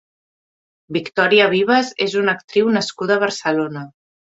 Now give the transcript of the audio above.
Victoria Vivas és una actriu nascuda a Barcelona.